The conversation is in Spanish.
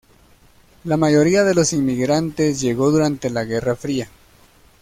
La mayoría de los inmigrantes llegó durante la Guerra Fría.